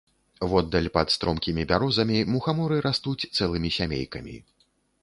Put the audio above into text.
Воддаль, пад стромкімі бярозамі, мухаморы растуць цэлымі сямейкамі.